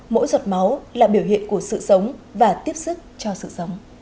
mỗi giọt máu là biểu hiện của sự sống và tiếp sức cho sự sống